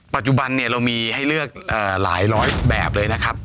ปัจจุบันเนี่ยเรามีให้เลือกหลายร้อยแบบเลยนะครับ